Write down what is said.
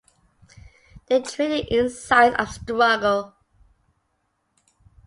They traded insights of struggle.